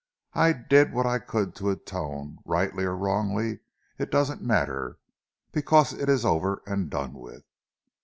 I did what I could to atone, rightly or wrongly it doesn't matter, because it is over and done with.